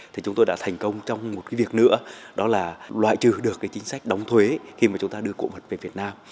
thì chúng tôi đã thành công trong một cái việc nữa đó là loại trừ được cái chính sách đóng thuế khi mà chúng ta đưa cổ vật về việt nam